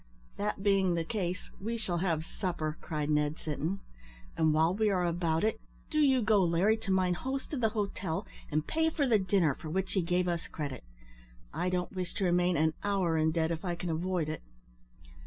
"That being the case, we shall have supper," cried Ned Sinton; "and while we are about it, do you go, Larry, to mine host of the hotel, and pay for the dinner for which he gave us credit. I don't wish to remain an hour in debt, if I can avoid it."